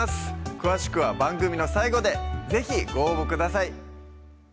詳しくは番組の最後で是非ご応募ください